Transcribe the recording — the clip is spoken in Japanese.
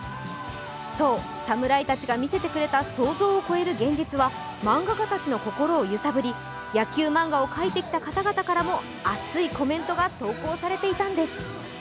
そう、侍たちが見せてくれた想像を超える現実は漫画家たちの心を揺さぶり、野球漫画を描いてきた方々からも熱いコメントが投稿されていたんです。